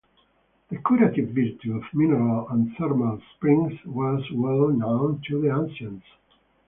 The curative virtue of mineral and thermal springs was well known to the ancients.